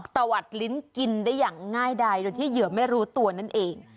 ตะวัดลิ้นกินได้อย่างง่ายดายโดยที่เหยื่อไม่รู้ตัวนั่นเอง